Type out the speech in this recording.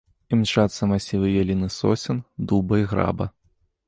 Імчацца масівы ялін і сосен, дуба і граба.